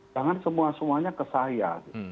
jangan semua semuanya ke saya